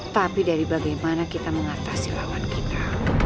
tapi dari bagaimana kita mengatasi lawan kita